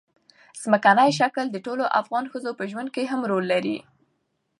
ځمکنی شکل د ټولو افغان ښځو په ژوند کې هم رول لري.